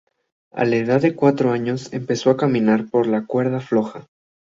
A la edad de cuatro años empezó a caminar por la cuerda floja.